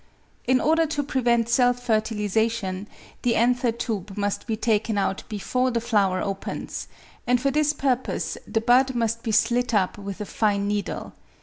In order to prevent self fertilisation the anther tube must be taken out before the flower opens, and for this purpose the bud must be slit up with a fine needle.